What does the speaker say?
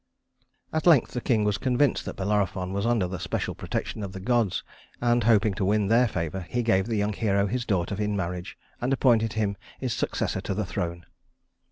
At length the king was convinced that Bellerophon was under the special protection of the gods, and, hoping to win their favor, he gave the young hero his daughter in marriage, and appointed him his successor to the throne.